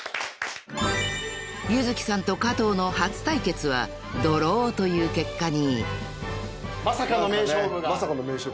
［柚月さんと加藤の初対決はドローという結果に］